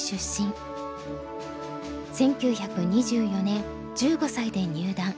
１９２４年１５歳で入段。